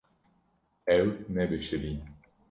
Ew nebişirîn.